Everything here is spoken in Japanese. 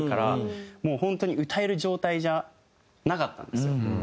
もう本当に歌える状態じゃなかったんですよ。